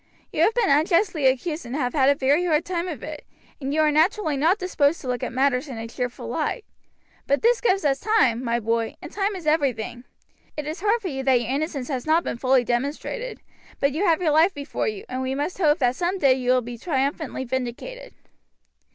You have been unjustly accused and have had a very hard time of it, and you are naturally not disposed to look at matters in a cheerful light; but this gives us time, my boy, and time is everything. It is hard for you that your innocence has not been fully demonstrated, but you have your life before you, and we must hope that some day you will be triumphantly vindicated."